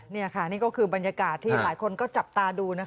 นี่ค่ะนี่ก็คือบรรยากาศที่หลายคนก็จับตาดู